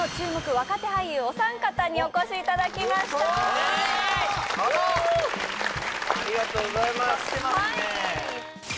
若手俳優お三方にお越しいただきましたありがとうございます決まってますね